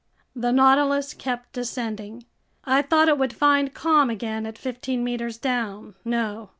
The Nautilus kept descending. I thought it would find calm again at fifteen meters down. No.